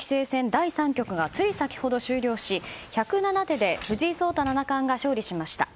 第３局がつい先ほど、終了し１０７手で藤井聡太七冠が勝利しました。